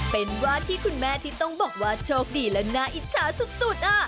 เป็นว่าที่คุณแม่ที่ต้องบอกว่าโชคดีและน่าอิจฉาสุด